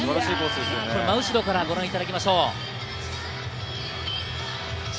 真後ろからご覧いただきましょう。